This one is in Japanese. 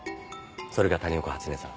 それが谷岡初音さん